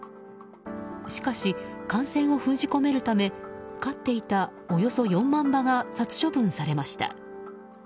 しかし感染を封じ込めるため飼っていたおよそ４万羽が殺処分されました。